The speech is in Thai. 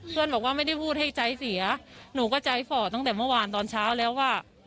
บอกว่าไม่ได้พูดให้ใจเสียหนูก็ใจฝ่อตั้งแต่เมื่อวานตอนเช้าแล้วว่า